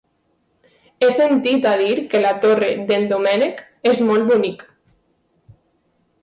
He sentit a dir que la Torre d'en Doménec és molt bonic.